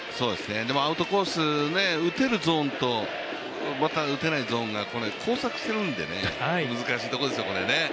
アウトコース、打てるゾーンとまた打てないゾーンが交錯しているので難しいところですね、これは。